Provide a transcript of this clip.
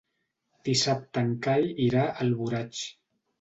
Dissabte en Cai irà a Alboraig.